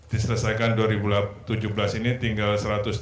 diselesaikan dua ribu tujuh belas ini tinggal satu ratus dua puluh